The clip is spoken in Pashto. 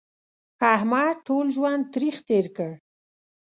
احمد ټول ژوند تریخ تېر کړ.